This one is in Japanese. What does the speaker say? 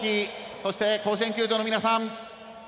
そして、甲子園球場の皆さん。